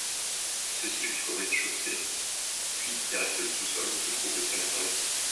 Ceci jusqu'au rez-de-chaussée, puis il reste le sous-sol, où se trouve le crématorium.